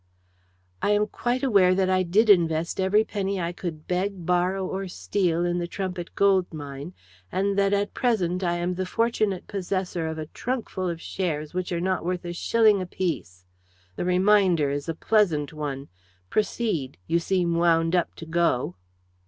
"I am quite aware that I did invest every penny I could beg, borrow, or steal in the Trumpit Gold Mine, and that at present I am the fortunate possessor of a trunkful of shares which are not worth a shilling a piece. The reminder is a pleasant one. Proceed you seem wound up to go."